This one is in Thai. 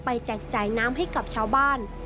ปัจจัยน้ำให้กับชาวบ้าน